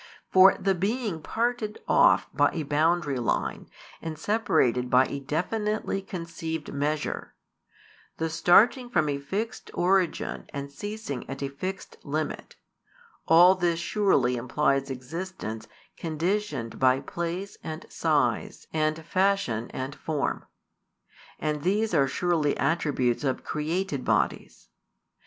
For the being parted off by a boundary line and separated by a definitely conceived measure, the starting from a fixed origin and ceasing at a fixed limit, all this surely implies existence conditioned by place and size and fashion and form. And these are surely attributes of [created] bodies.